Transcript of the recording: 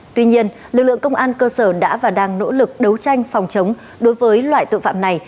tuy nhiên lực lượng công an cơ sở đã và đang nỗ lực đấu tranh phòng chống đối với loại tội phạm này